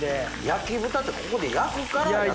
焼豚ってここで焼くから焼豚？